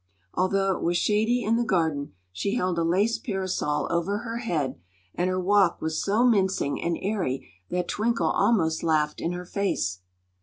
Although it was shady in the garden, she held a lace parasol over her head, and her walk was so mincing and airy that Twinkle almost laughed in her face.